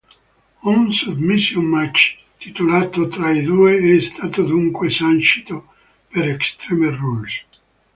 Un Submission match titolato tra i due è stato dunque sancito per Extreme Rules.